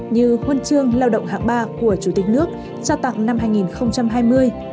như huân chương lao động hạng ba của chủ tịch nước trao tặng năm hai nghìn hai mươi